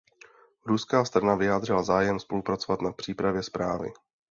Ruská strana vyjádřila zájem spolupracovat na přípravě zprávy.